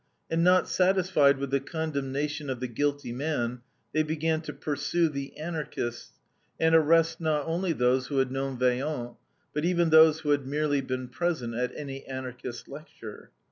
And not satisfied with the condemnation of the guilty man, they began to pursue the Anarchists, and arrest not only those who had known Vaillant, but even those who had merely been present at any Anarchist lecture.